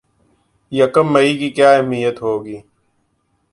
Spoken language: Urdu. یکم مئی کی کیا اہمیت ہوگی